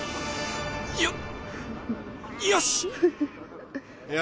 よっよしっ！